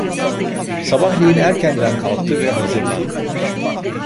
Sabahleyin erkenden kalktı ve hazırlandı.